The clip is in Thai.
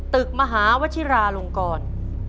ตึกมหาวชิราลงกร